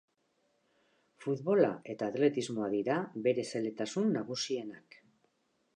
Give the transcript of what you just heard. Futbola eta atletismoa dira bere zaletasun nagusienak.